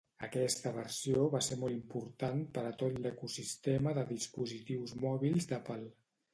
Aquesta versió va ser molt important per a tot l'ecosistema de dispositius mòbils d'Apple.